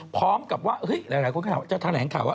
พร้อมกับว่าหลายคนจะแถวแหลงข่าวว่า